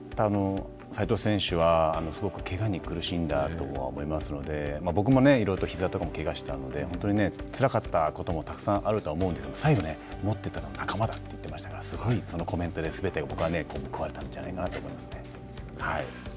斎藤選手はすごくけがに苦しんだと思いますので僕もいろいろとひざとかもけがしたので本当につらかったこともたくさんあると思うんですけど最後持っていたのは仲間だと思っていましたからそのコメントで僕は報われたんじゃないかと思いますね。